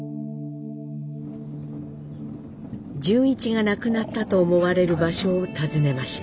潤一が亡くなったと思われる場所を訪ねました。